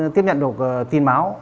tiếp nhận được tin báo